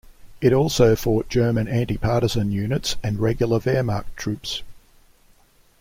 It also fought German anti-partisan units and regular Wehrmacht troops.